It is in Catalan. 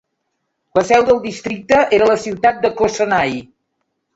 La seu del districte era la ciutat de Cossonay.